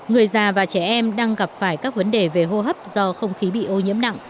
người già và trẻ em đang gặp phải các vấn đề về hô hấp do không khí bị ô nhiễm nặng